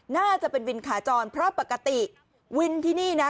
น่าจะเป็นวินขาจรเพราะปกติวินที่นี่นะ